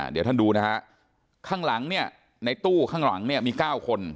เดี๋ยวท่านดูนะฮะข้างหลังเนี่ยในตู้ข้างหลังเนี่ยมี๙คน